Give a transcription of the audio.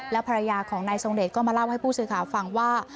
ภรรยาของนายทรงเดชก็มาเล่าให้ผู้สื่อข่าวฟังว่า